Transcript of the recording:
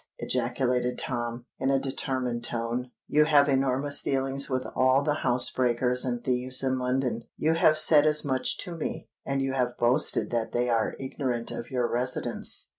ejaculated Tom, in a determined tone. "You have enormous dealings with all the housebreakers and thieves in London; you have said as much to me—and you have boasted that they are ignorant of your residence.